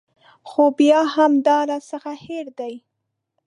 خو بیا هم دا راڅخه هېر دي.